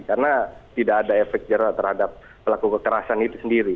karena tidak ada efek jernak terhadap pelaku kekerasan itu sendiri